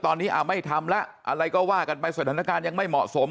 ตอนนี้ไม่ทำแล้วอะไรก็ว่ากันไปสถานการณ์ยังไม่เหมาะสม